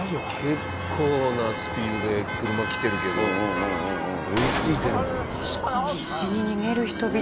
結構なスピードで車来てるけど追いついてるもんな。